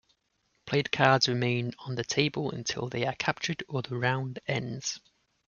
Played cards remain on the table until they are captured or the round ends.